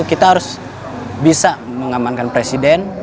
kita harus bisa mengamankan presiden